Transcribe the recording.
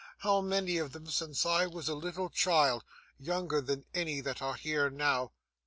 How many of them since I was a little child, younger than any that are here now!